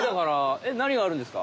えっ何があるんですか？